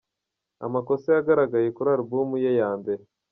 amakosa yagaragaye kuri album ye ya mbere.